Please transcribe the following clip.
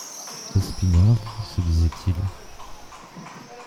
Est-ce Pinard ? se disait-il.